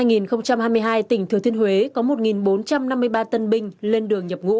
năm hai nghìn hai mươi hai tỉnh thừa thiên huế có một bốn trăm năm mươi ba tân binh lên đường nhập ngũ